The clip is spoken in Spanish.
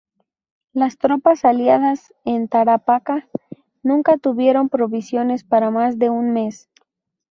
Las tropas aliadas en Tarapacá nunca tuvieron provisiones para más de un mes.